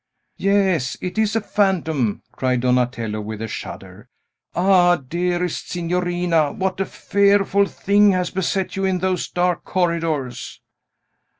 "Yes; it is a phantom!" cried Donatello, with a shudder. "Ah, dearest signorina, what a fearful thing has beset you in those dark corridors!"